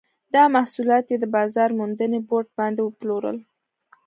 دا محصولات یې د بازار موندنې بورډ باندې وپلورل.